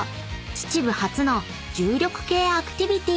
秩父初の重力系アクティビティ］